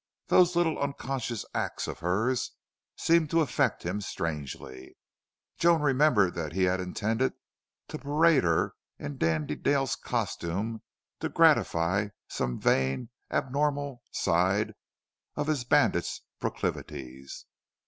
Those little unconscious acts of hers seemed to affect him strangely. Joan remembered that he had intended to parade her in Dandy Dale's costume to gratify some vain abnormal side of his bandit's proclivities.